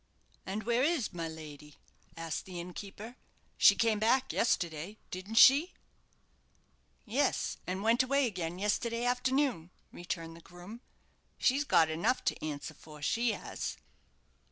"And where is my lady?" asked the innkeeper; "she came back yesterday, didn't she?" "Yes, and went away again yesterday afternoon," returned the groom. "She's got enough to answer for, she has."